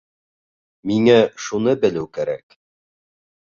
Миңә шуны белеү кәрәк.